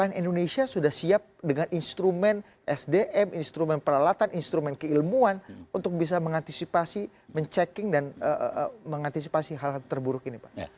cnn indonesia sudah siap dengan instrumen sdm instrumen peralatan instrumen keilmuan untuk bisa mengantisipasi menching dan mengantisipasi hal hal terburuk ini pak